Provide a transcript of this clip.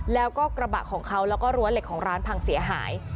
แล้วก็กระบะของเขาแล้วก็รั้วเหล็กของร้านพังเสียหาย